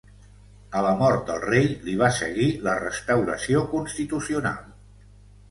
A la mort del rei, li va seguir la restauració constitucional.